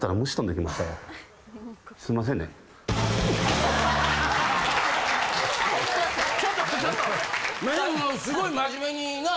でもすごい真面目にな。